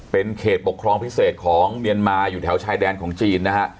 เป็นเขตปกครองพิเศษของเมียนมาอยู่แถวชายแดนของจีนนะฮะ